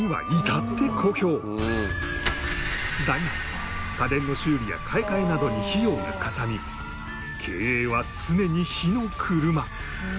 だが家電の修理や買い替えなどに費用がかさみ経営は常に火の車。